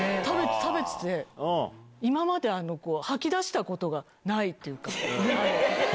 食べてて、今まで吐き出したことがないっていうか。